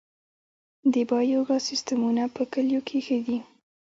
د بایو ګاز سیستمونه په کلیو کې ښه دي